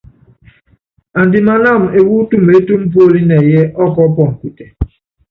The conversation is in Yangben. Andimánáma ewú tumeétúmu póli nɛyɛ ɔ́kɔɔ́pɔnɔ kutɛ.